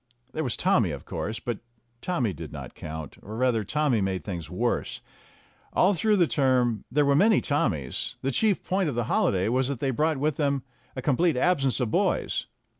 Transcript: There was Tommy, of course, but Tommy did not count; or rather, Tommy made things worse. All through the term there were many Tommies; the chief point of the 104 STORIES WITHOUT TEARS holiday was that they brought with them a complete absence of boys.